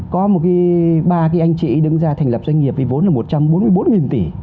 có một cái ba cái anh chị đứng ra thành lập doanh nghiệp vì vốn là một trăm bốn mươi bốn tỷ